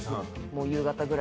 夕方ぐらいから。